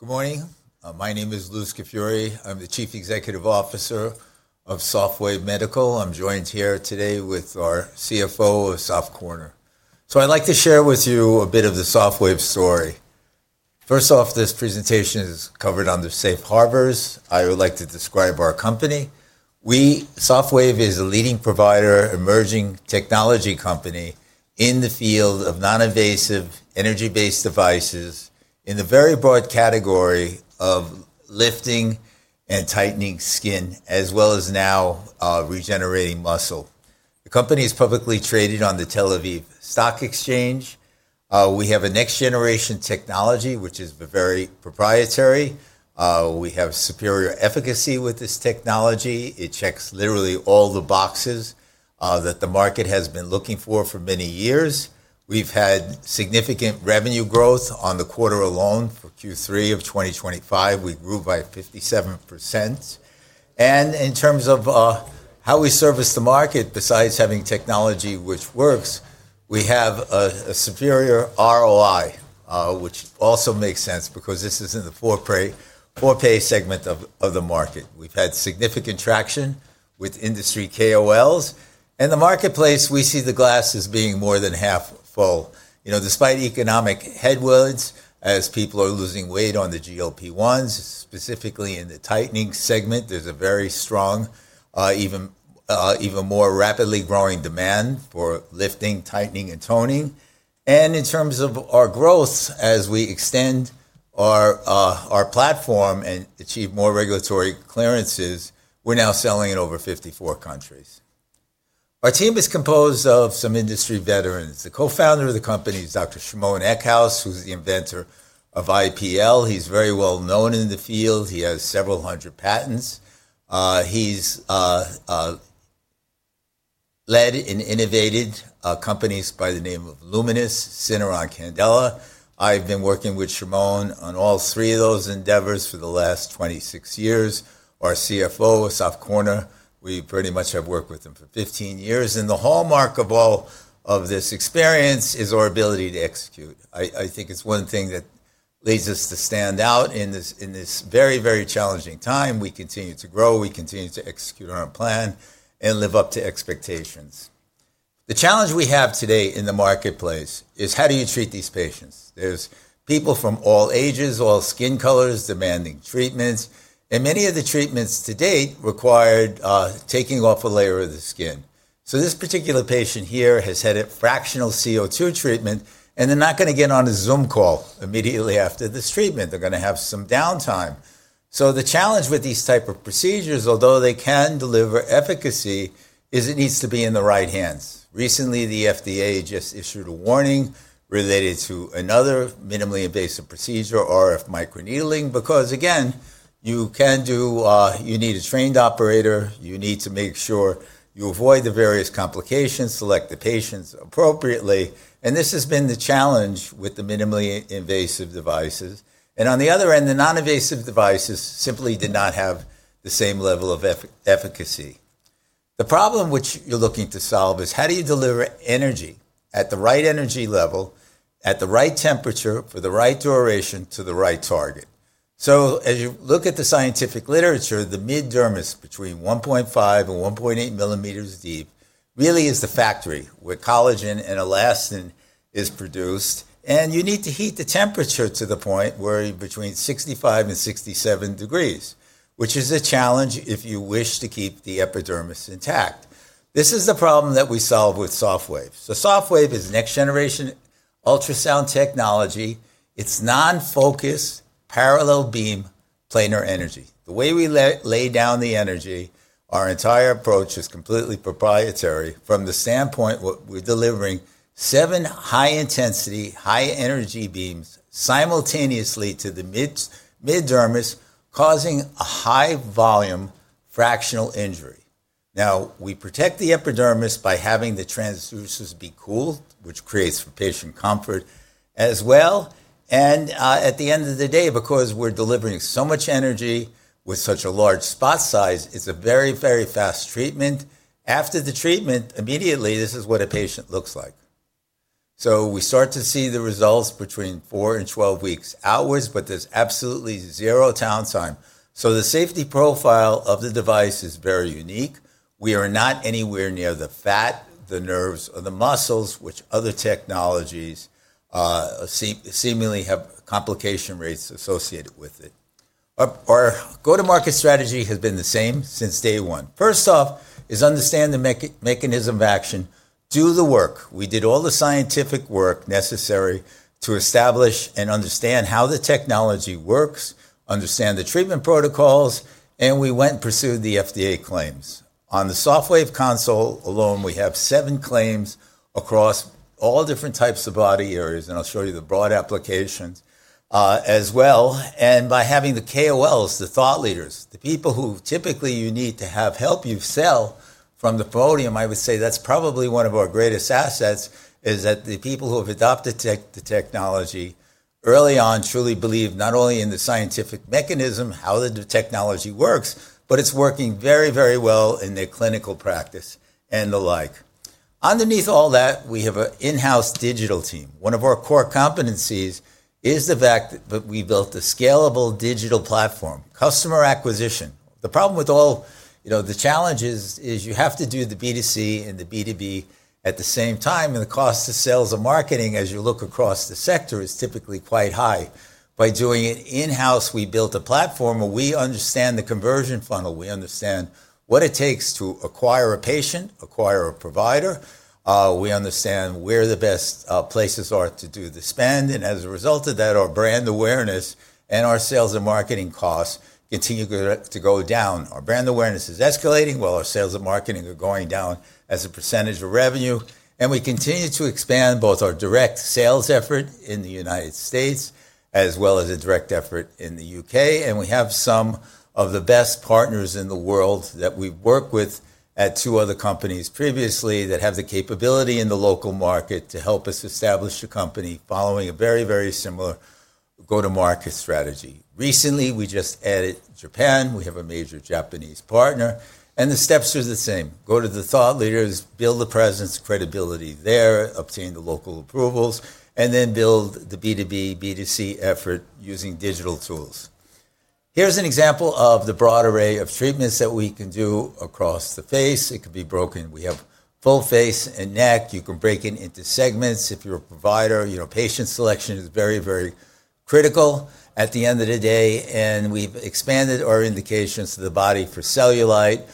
Good morning. My name is Louis Scafuri. I'm the Chief Executive Officer of SofWave Medical. I'm joined here today with our CFO of SofWave. I would like to share with you a bit of the SofWave story. First off, this presentation is covered under Safe Harbors. I would like to describe our company. SofWave is a leading provider, emerging technology company in the field of non-invasive energy-based devices in the very broad category of lifting and tightening skin, as well as now regenerating muscle. The company is publicly traded on the Tel Aviv Stock Exchange. We have a next-generation technology, which is very proprietary. We have superior efficacy with this technology. It checks literally all the boxes that the market has been looking for for many years. We've had significant revenue growth on the quarter alone for Q3 of 2025. We grew by 57%. In terms of how we service the market, besides having technology which works, we have a superior ROI, which also makes sense because this is in the forepay segment of the market. We've had significant traction with industry KOLs. The marketplace, we see the glass as being more than half full. You know, despite economic headwinds, as people are losing weight on the GLP-1s, specifically in the tightening segment, there's a very strong, even more rapidly growing demand for lifting, tightening, and toning. In terms of our growth, as we extend our platform and achieve more regulatory clearances, we're now selling in over 54 countries. Our team is composed of some industry veterans. The co-founder of the company is Dr. Shimon Eckhouse, who's the inventor of IPL. He's very well known in the field. He has several hundred patents. He's led and innovated companies by the name of Luminous, Syneron, Candela. I've been working with Shimon on all three of those endeavors for the last 26 years. Our CFO of Assaf Korner, we pretty much have worked with him for 15 years. The hallmark of all of this experience is our ability to execute. I think it's one thing that leads us to stand out in this very, very challenging time. We continue to grow. We continue to execute on our plan and live up to expectations. The challenge we have today in the marketplace is how do you treat these patients? There's people from all ages, all skin colors demanding treatments. Many of the treatments to date required taking off a layer of the skin. This particular patient here has had a fractional CO2 treatment, and they're not going to get on a Zoom call immediately after this treatment. They're going to have some downtime. The challenge with these types of procedures, although they can deliver efficacy, is it needs to be in the right hands. Recently, the FDA just issued a warning related to another minimally invasive procedure, RF microneedling, because, again, you need a trained operator. You need to make sure you avoid the various complications, select the patients appropriately. This has been the challenge with the minimally invasive devices. On the other end, the non-invasive devices simply did not have the same level of efficacy. The problem which you're looking to solve is how do you deliver energy at the right energy level, at the right temperature, for the right duration to the right target. As you look at the scientific literature, the mid-dermis between 1.5 and 1.8 millimeters deep really is the factory where collagen and elastin is produced. You need to heat the temperature to the point where you're between 65 and 67 degrees Celsius, which is a challenge if you wish to keep the epidermis intact. This is the problem that we solve with SofWave. SofWave is next-generation ultrasound technology. It's non-focused, parallel beam planar energy. The way we lay down the energy, our entire approach is completely proprietary from the standpoint that we're delivering seven high-intensity, high-energy beams simultaneously to the mid-dermis, causing a high-volume fractional injury. We protect the epidermis by having the transducers be cooled, which creates for patient comfort as well. At the end of the day, because we're delivering so much energy with such a large spot size, it's a very, very fast treatment. After the treatment, immediately, this is what a patient looks like. We start to see the results between 4 and 12 weeks, but there's absolutely zero downtime. The safety profile of the device is very unique. We are not anywhere near the fat, the nerves, or the muscles, which other technologies seemingly have complication rates associated with it. Our go-to-market strategy has been the same since day one. First off is understand the mechanism of action, do the work. We did all the scientific work necessary to establish and understand how the technology works, understand the treatment protocols, and we went and pursued the FDA claims. On the SofWave console alone, we have seven claims across all different types of body areas, and I'll show you the broad applications as well. By having the KOLs, the thought leaders, the people who typically you need to have help you sell from the podium, I would say that's probably one of our greatest assets, is that the people who have adopted the technology early on truly believe not only in the scientific mechanism, how the technology works, but it's working very, very well in their clinical practice and the like. Underneath all that, we have an in-house digital team. One of our core competencies is the fact that we built a scalable digital platform, customer acquisition. The problem with all, you know, the challenges is you have to do the B2C and the B2B at the same time, and the cost of sales and marketing, as you look across the sector, is typically quite high. By doing it in-house, we built a platform where we understand the conversion funnel. We understand what it takes to acquire a patient, acquire a provider. We understand where the best places are to do the spend. As a result of that, our brand awareness and our sales and marketing costs continue to go down. Our brand awareness is escalating while our sales and marketing are going down as a percentage of revenue. We continue to expand both our direct sales effort in the United States as well as a direct effort in the U.K. We have some of the best partners in the world that we've worked with at two other companies previously that have the capability in the local market to help us establish a company following a very, very similar go-to-market strategy. Recently, we just added Japan. We have a major Japanese partner. The steps are the same. Go to the thought leaders, build the presence, credibility there, obtain the local approvals, and then build the B2B, B2C effort using digital tools. Here's an example of the broad array of treatments that we can do across the face. It could be broken. We have full face and neck. You can break it into segments. If you're a provider, you know, patient selection is very, very critical at the end of the day. We've expanded our indications to the body for cellulite,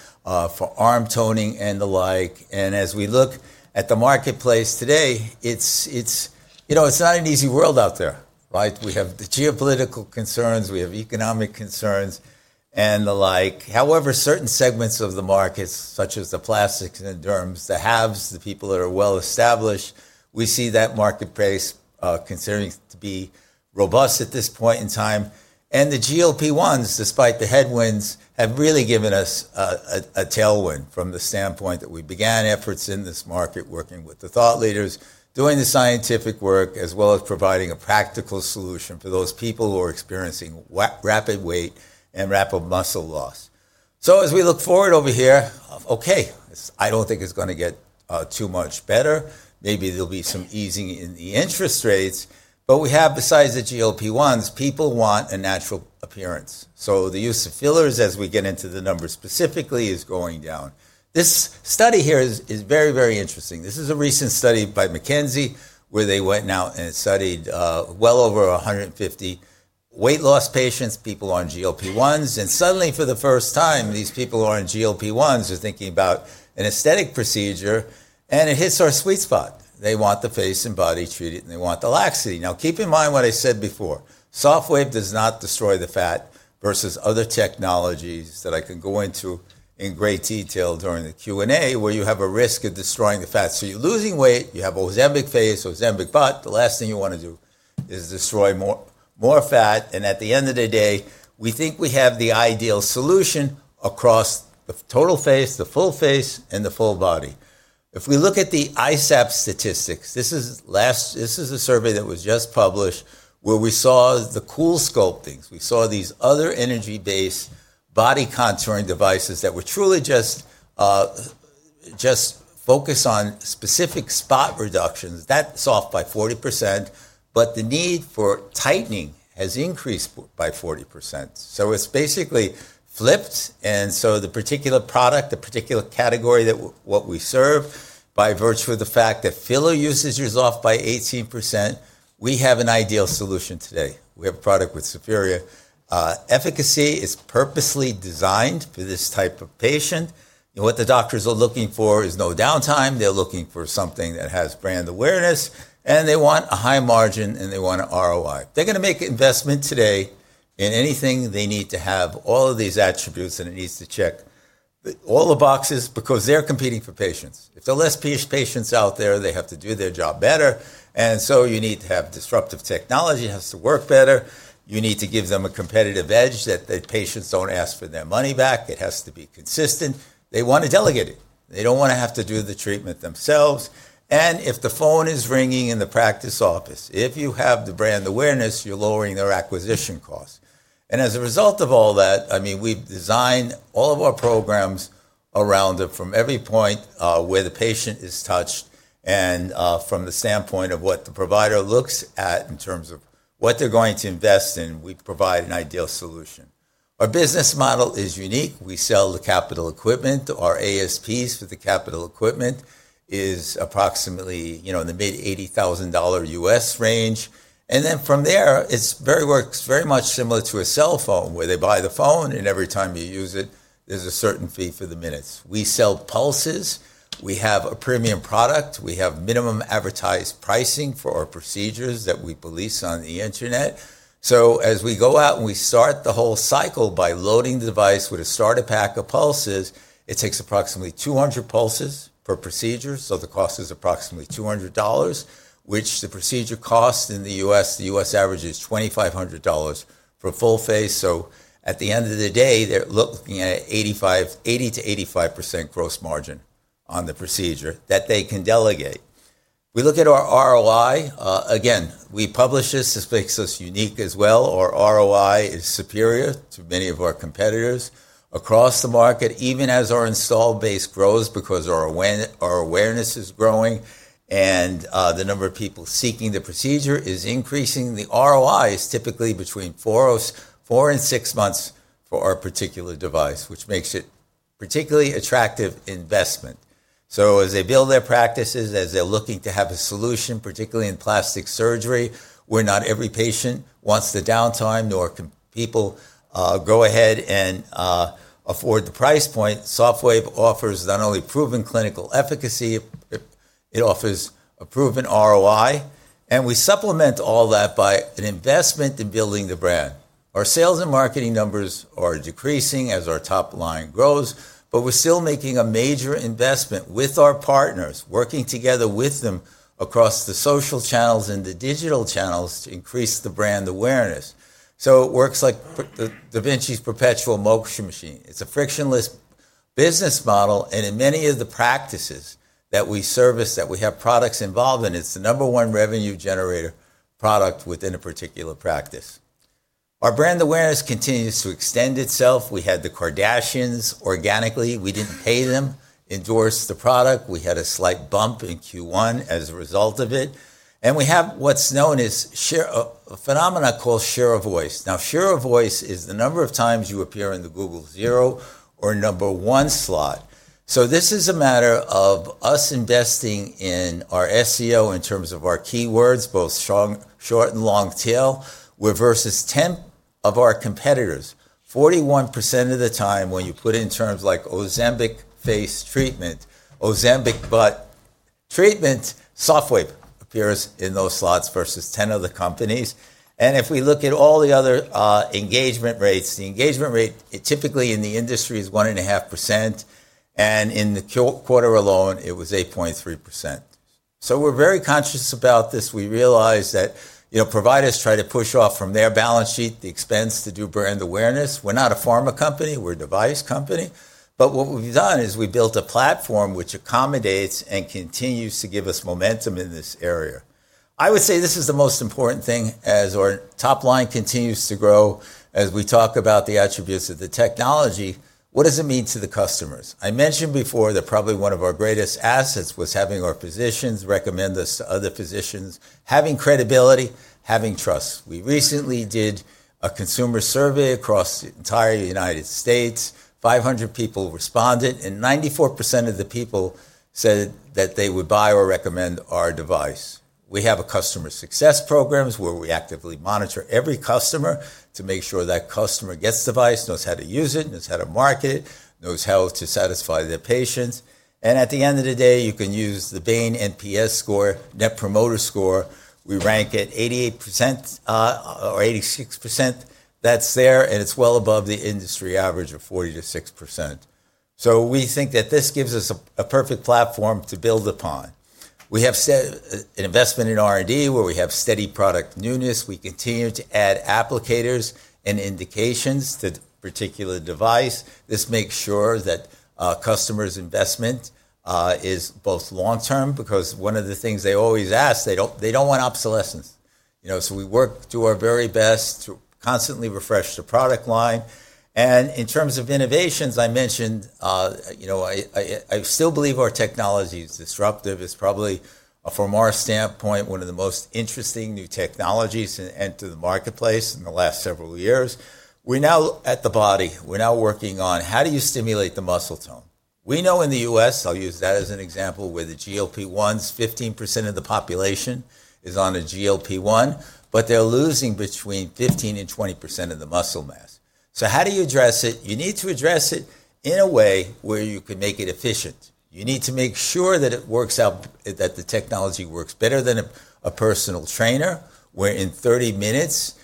for arm toning, and the like. As we look at the marketplace today, it's, you know, it's not an easy world out there, right? We have the geopolitical concerns. We have economic concerns and the like. However, certain segments of the markets, such as the plastics and derms, the haves, the people that are well established, we see that marketplace continuing to be robust at this point in time. The GLP-1s, despite the headwinds, have really given us a tailwind from the standpoint that we began efforts in this market, working with the thought leaders, doing the scientific work, as well as providing a practical solution for those people who are experiencing rapid weight and rapid muscle loss. As we look forward over here, okay, I don't think it's going to get too much better. Maybe there'll be some easing in the interest rates. We have, besides the GLP-1s, people want a natural appearance. The use of fillers, as we get into the numbers specifically, is going down. This study here is very, very interesting. This is a recent study by McKenzie where they went out and studied well over 150 weight loss patients, people on GLP-1s. Suddenly, for the first time, these people who are on GLP-1s are thinking about an aesthetic procedure, and it hits our sweet spot. They want the face and body treated, and they want the laxity. Now, keep in mind what I said before. SofWave does not destroy the fat versus other technologies that I can go into in great detail during the Q&A where you have a risk of destroying the fat. You are losing weight. You have aemic face, eemic butt. The last thing you want to do is destroy more fat. At the end of the day, we think we have the ideal solution across the total face, the full face, and the full body. If we look at the ISAPS statistics, this is a survey that was just published where we saw the CoolScope things. We saw these other energy-based body contouring devices that were truly just focused on specific spot reductions. That's off by 40%, but the need for tightening has increased by 40%. It's basically flipped. The particular product, the particular category that what we serve by virtue of the fact that filler usage is off by 18%, we have an ideal solution today. We have a product with superior efficacy. It's purposely designed for this type of patient. What the doctors are looking for is no downtime. They're looking for something that has brand awareness, and they want a high margin, and they want an ROI. They're going to make an investment today in anything they need to have all of these attributes, and it needs to check all the boxes because they're competing for patients. If there are less patients out there, they have to do their job better. You need to have disruptive technology. It has to work better. You need to give them a competitive edge that the patients don't ask for their money back. It has to be consistent. They want to delegate it. They don't want to have to do the treatment themselves. If the phone is ringing in the practice office, if you have the brand awareness, you're lowering their acquisition costs. As a result of all that, I mean, we've designed all of our programs around it from every point where the patient is touched and from the standpoint of what the provider looks at in terms of what they're going to invest in, we provide an ideal solution. Our business model is unique. We sell the capital equipment. Our ASPs for the capital equipment is approximately, you know, in the mid $80,000 US range. From there, it works very much similar to a cell phone where they buy the phone, and every time you use it, there's a certain fee for the minutes. We sell pulses. We have a premium product. We have minimum advertised pricing for our procedures that we police on the internet. As we go out and we start the whole cycle by loading the device with a starter pack of pulses, it takes approximately 200 pulses per procedure. The cost is approximately $200, which the procedure costs in the U.S., the U.S. average is $2,500 for a full face. At the end of the day, they're looking at an 80%-85% gross margin on the procedure that they can delegate. We look at our ROI. Again, we publish this to make us unique as well. Our ROI is superior to many of our competitors across the market, even as our install base grows because our awareness is growing and the number of people seeking the procedure is increasing. The ROI is typically between four and six months for our particular device, which makes it a particularly attractive investment. As they build their practices, as they're looking to have a solution, particularly in plastic surgery, where not every patient wants the downtime nor can people go ahead and afford the price point, SofWave offers not only proven clinical efficacy, it offers a proven ROI. We supplement all that by an investment in building the brand. Our sales and marketing numbers are decreasing as our top line grows, but we're still making a major investment with our partners, working together with them across the social channels and the digital channels to increase the brand awareness. It works like DaVinci's perpetual motion machine. It's a frictionless business model. In many of the practices that we service, that we have products involved in, it's the number one revenue generator product within a particular practice. Our brand awareness continues to extend itself. We had the Kardashians organically. We didn't pay them, endorsed the product. We had a slight bump in Q1 as a result of it. We have what's known as a phenomenon called Share of Voice. Share of Voice is the number of times you appear in the Google Zero or number one slot. This is a matter of us investing in our SEO in terms of our keywords, both short and long tail, versus 10 of our competitors. 41% of the time when you put in terms like emic face treatment, emic butt treatment, SofWave appears in those slots versus 10 other companies. If we look at all the other engagement rates, the engagement rate, it typically in the industry is 1.5%. In the quarter alone, it was 8.3%. We're very conscious about this. We realize that, you know, providers try to push off from their balance sheet the expense to do brand awareness. We're not a pharma company. We're a device company. What we've done is we built a platform which accommodates and continues to give us momentum in this area. I would say this is the most important thing as our top line continues to grow. As we talk about the attributes of the technology, what does it mean to the customers? I mentioned before that probably one of our greatest assets was having our physicians recommend us to other physicians, having credibility, having trust. We recently did a consumer survey across the entire United States. 500 people responded, and 94% of the people said that they would buy or recommend our device. We have customer success programs where we actively monitor every customer to make sure that customer gets the device, knows how to use it, knows how to market it, knows how to satisfy their patients. At the end of the day, you can use the Bain NPS score, Net Promoter Score. We rank at 88% or 86%. That is there, and it is well above the industry average of 40%-60%. We think that this gives us a perfect platform to build upon. We have an investment in R&D where we have steady product newness. We continue to add applicators and indications to the particular device. This makes sure that customers' investment is both long-term because one of the things they always ask, they do not want obsolescence. You know, we work to our very best to constantly refresh the product line. In terms of innovations, I mentioned, you know, I still believe our technology is disruptive. It's probably, from our standpoint, one of the most interesting new technologies to enter the marketplace in the last several years. We're now at the body. We're now working on how do you stimulate the muscle tone? We know in the U.S., I'll use that as an example, where the GLP-1s, 15% of the population is on a GLP-1, but they're losing between 15%-20% of the muscle mass. How do you address it? You need to address it in a way where you can make it efficient. You need to make sure that it works out, that the technology works better than a personal trainer, where in 30 minutes,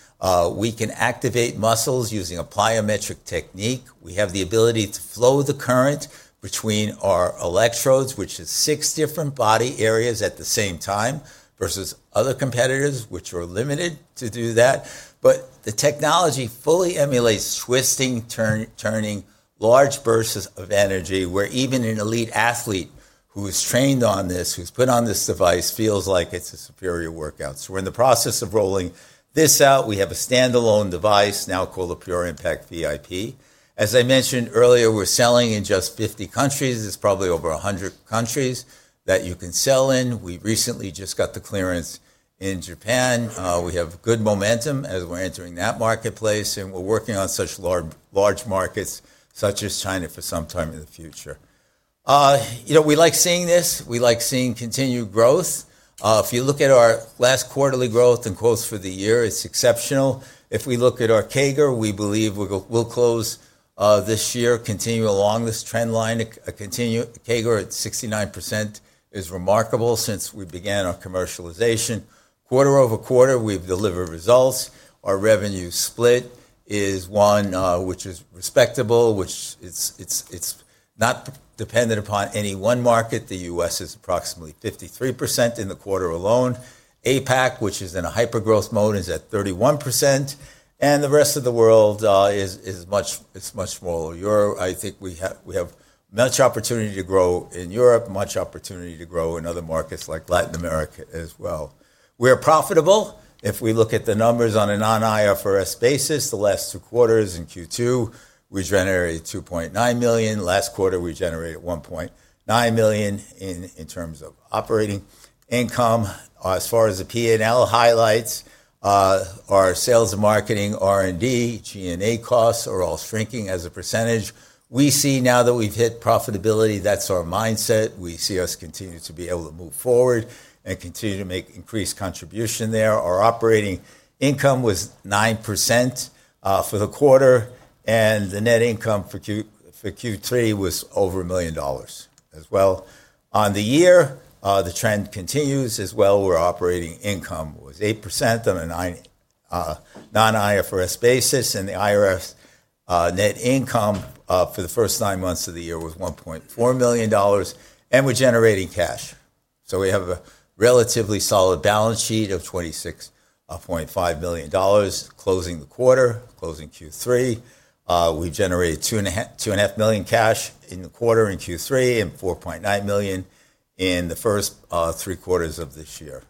we can activate muscles using a plyometric technique. We have the ability to flow the current between our electrodes, which is six different body areas at the same time versus other competitors, which are limited to do that. The technology fully emulates twisting, turning, large bursts of energy, where even an elite athlete who is trained on this, who's put on this device, feels like it's a superior workout. We're in the process of rolling this out. We have a standalone device now called a Pure Impact VIP. As I mentioned earlier, we're selling in just 50 countries. It's probably over 100 countries that you can sell in. We recently just got the clearance in Japan. We have good momentum as we're entering that marketplace, and we're working on such large markets such as China for some time in the future. You know, we like seeing this. We like seeing continued growth. If you look at our last quarterly growth and growth for the year, it's exceptional. If we look at our CAGR, we believe we'll close this year, continue along this trend line. Continue CAGR at 69% is remarkable since we began our commercialization. Quarter-over-quarter, we've delivered results. Our revenue split is one, which is respectable, which it's not dependent upon any one market. The US is approximately 53% in the quarter alone. APAC, which is in a hyper-growth mode, is at 31%. The rest of the world is much, it's much smaller. I think we have much opportunity to grow in Europe, much opportunity to grow in other markets like Latin America as well. We're profitable. If we look at the numbers on a non-IFRS basis, the last two quarters in Q2, we generated $2.9 million. Last quarter, we generated $1.9 million in terms of operating income. As far as the P&L highlights, our sales and marketing, R&D, G&A costs are all shrinking as a percentage. We see now that we've hit profitability. That's our mindset. We see us continue to be able to move forward and continue to make increased contribution there. Our operating income was 9% for the quarter, and the net income for Q3 was over $1 million as well. On the year, the trend continues as well. Our operating income was 8% on a non-IFRS basis, and the IFRS net income for the first nine months of the year was $1.4 million. We are generating cash. We have a relatively solid balance sheet of $26.5 million closing the quarter, closing Q3. We generated $2.5 million cash in the quarter in Q3 and $4.9 million in the first three quarters of this year.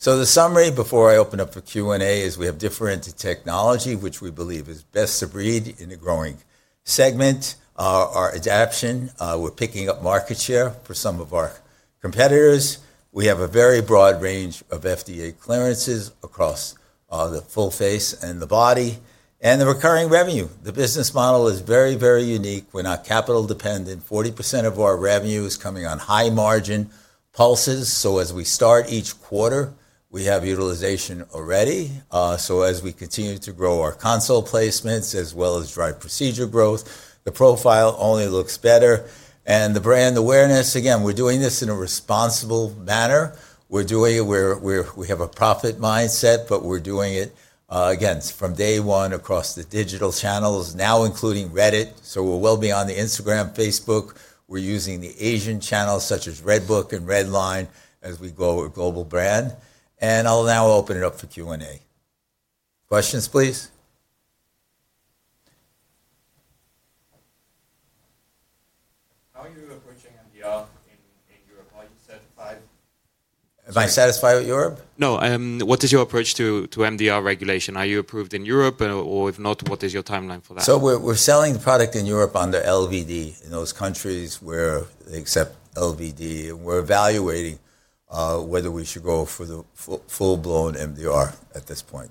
The summary before I open up for Q&A is we have different technology, which we believe is best to breed in a growing segment. Our adaption, we're picking up market share for some of our competitors. We have a very broad range of FDA clearances across the full face and the body and the recurring revenue. The business model is very, very unique. We're not capital dependent. 40% of our revenue is coming on high margin pulses. As we start each quarter, we have utilization already. As we continue to grow our console placements as well as drive procedure growth, the profile only looks better. The brand awareness, again, we're doing this in a responsible manner. We're doing it where we have a profit mindset, but we're doing it, again, from day one across the digital channels, now including Reddit. We'll be on Instagram, Facebook. We're using the Asian channels such as Redbook and Redline as we grow a global brand. I'll now open it up for Q&A. Questions, please. How are you approaching MDR in Europe? Are you satisfied? Am I satisfied with Europe? No. What is your approach to MDR regulation? Are you approved in Europe, or if not, what is your timeline for that? We're selling the product in Europe under LVD in those countries where they accept LVD. We're evaluating whether we should go for the full-blown MDR at this point.